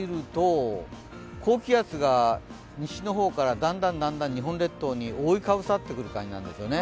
高気圧が西の方からだんだん日本列島に覆いかぶさってくる感じなんですよね。